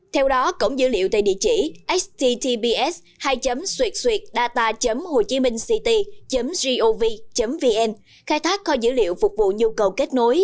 theo đó cổng dữ liệu tại địa chỉ sttbs hai xxdata hc gov vn khai thác kho dữ liệu phục vụ nhu cầu kết nối